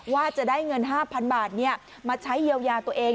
ว่าจะได้เงิน๕๐๐๐บาทมาใช้เยียวยาตัวเอง